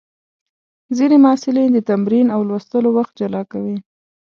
ځینې محصلین د تمرین او لوستلو وخت جلا کوي.